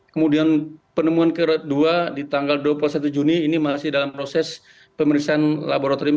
kemudian penemuan kedua di tanggal dua puluh satu juni ini masih dalam proses pemeriksaan laboratorium